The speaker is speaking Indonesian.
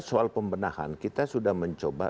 soal pembenahan kita sudah mencoba